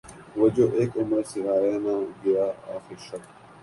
وہ جو اک عمر سے آیا نہ گیا آخر شب